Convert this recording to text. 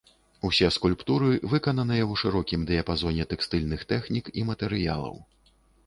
Усе скульптуры выкананыя ў шырокім дыяпазоне тэкстыльных тэхнік і матэрыялаў.